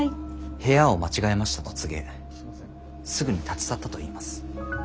「部屋を間違えました」と告げすぐに立ち去ったといいます。